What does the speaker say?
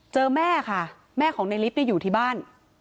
แม่ค่ะแม่ของในลิฟต์อยู่ที่บ้าน